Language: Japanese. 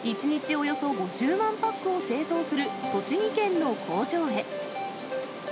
およそ５０万パックを製造する、栃木県の工場へ。